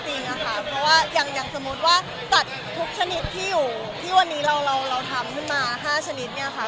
เพราะว่าอย่างสมมุติว่าสัตว์ทุกชนิดที่อยู่ที่วันนี้เราทำขึ้นมา๕ชนิดเนี่ยค่ะ